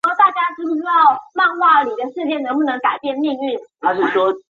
所属的相扑部屋是出羽海部屋。